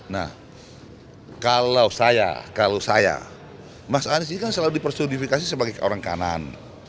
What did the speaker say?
nah kalau saya kalau saya mas anies ini kan selalu dipersoalifikasi sebagai orang kanan